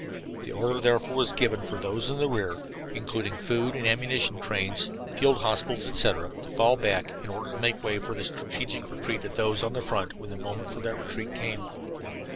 The order was therefore given for those in the rear, including food and ammunition trains, field hospitals, etc., to fall back, in order to make way for the strategic retreat of those on the front when the moment for that retreat came.